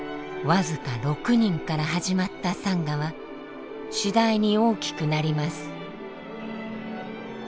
僅か６人から始まったサンガは次第に大きくなります。